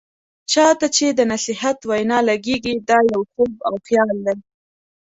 چا ته چې د نصيحت وینا لګیږي، دا يو خوب او خيال دی.